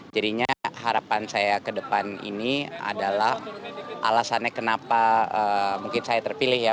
jadinya harapan saya ke depan ini adalah alasannya kenapa mungkin saya terpilih ya